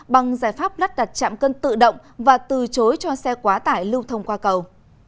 bằng giải pháp lắp đặt chạm cân tự động và từ chối cho xe quá tải lưu thông qua cầu